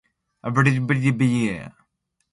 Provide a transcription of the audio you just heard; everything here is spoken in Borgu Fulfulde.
Men miilii no poonnol saɗay.